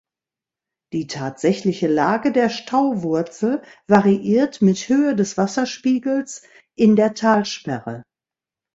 Die tatsächliche Lage der Stauwurzel variiert mit Höhe des Wasserspiegels in der Talsperre.